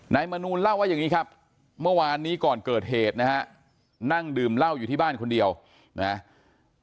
มนูลเล่าว่าอย่างนี้ครับเมื่อวานนี้ก่อนเกิดเหตุนะฮะนั่งดื่มเหล้าอยู่ที่บ้านคนเดียวนะฮะ